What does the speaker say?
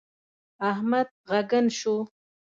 احمد ږغن شو.